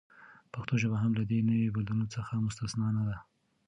پښتو ژبه هم له دې نوي بدلون څخه مستثناء نه ده.